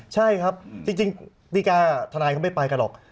ใช่ครับจริงดีการ์ทนายก็ไม่ไปกันหรอก